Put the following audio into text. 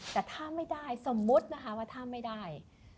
แต่ถ้าไม่ได้สมมุตินะคะว่าถ้าไม่ได้